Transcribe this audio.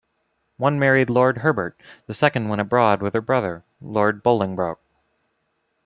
One married Lord Herbert, the second went abroad with her Brother, Lord Bolingbroke.